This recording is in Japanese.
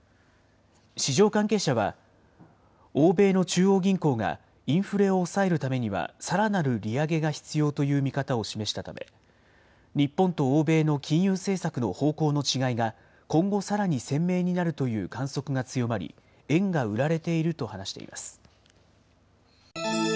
市場関係者は、欧米の中央銀行がインフレを抑えるためにはさらなる利上げが必要という見方を示したため、日本と欧米の金融政策の方向の違いが、今後さらに鮮明になるという観測が強まり、円が売られていると話しています。